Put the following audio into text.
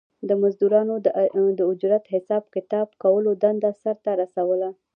د مزدورانو د اجرت حساب کتاب کولو دنده سر ته رسوله